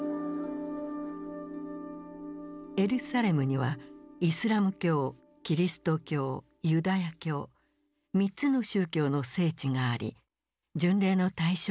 エルサレムにはイスラム教キリスト教ユダヤ教３つの宗教の聖地があり巡礼の対象となってきた。